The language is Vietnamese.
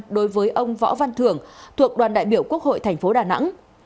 đối với ông võ văn thưởng thuộc đoàn đại biểu quốc hội tp đà nẵng